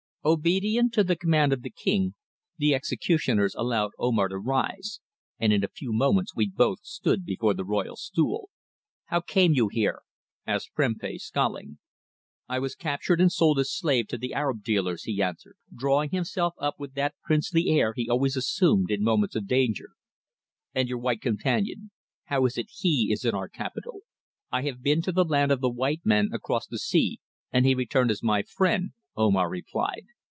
Obedient to the command of the King, the executioners allowed Omar to rise, and in a few moments we both stood before the royal stool. "How came you here?" asked Prempeh, scowling. "I was captured and sold as slave to the Arab dealers," he answered, drawing himself up with that princely air he always assumed in moments of danger. "And your white companion? How is it he is in our capital?" "I have been to the land of the white men across the sea, and he returned as my friend," Omar replied.